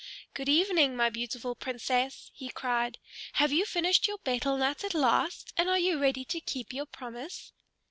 "Good evening, my beautiful Princess!" he cried. "Have you finished your betel nut at last, and are you ready to keep your promise?"